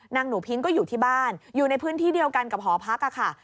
หนูพิ้งก็อยู่ที่บ้านอยู่ในพื้นที่เดียวกันกับหอพักค่ะ